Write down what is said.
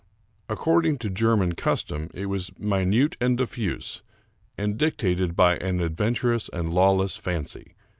According to German custom, it was minute and diffuse, and dictated by an adventurous and lawless fancy.